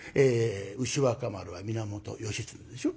牛若丸は源義経でしょ？